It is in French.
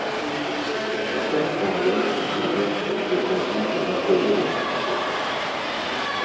La première barrière est la résistance au changement des employés de l’organisation.